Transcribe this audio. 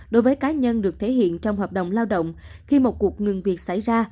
đối với cá nhân được thể hiện trong hợp đồng lao động khi một cuộc ngừng việc xảy ra